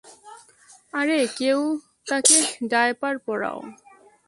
আরে কেউ তাকে ডায়পার পরাও।